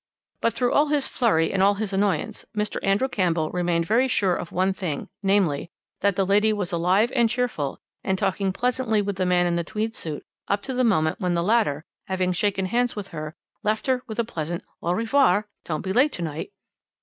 "But through all his flurry and all his annoyance Mr. Andrew Campbell remained very sure of one thing; namely, that the lady was alive and cheerful, and talking pleasantly with the man in the tweed suit up to the moment when the latter, having shaken hands with her, left her with a pleasant 'Au revoir! Don't be late to night.'